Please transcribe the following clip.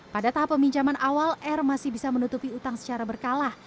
pada tahap peminjaman awal r masih bisa menutupi utang secara berkala